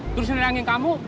terus nerangin kamu